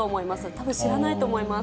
たぶん知らないと思います。